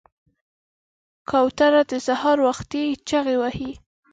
کوتره د سهار وختي چغې وهي.